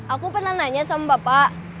aku pernah nanya sama bapak